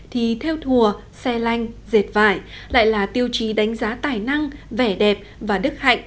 thì theo thùa xe lanh dệt vải lại là tiêu chí đánh giá tài năng vẻ đẹp và đức hạnh